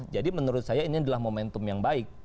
jadi menurut saya ini adalah momentum yang baik